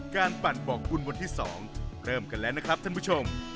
ปั่นบอกบุญวันที่๒เริ่มกันแล้วนะครับท่านผู้ชม